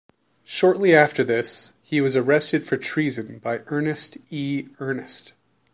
Shortly after this, he was arrested for treason by Ernest E. Earnest.